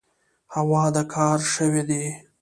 هو، دا کار شوی دی.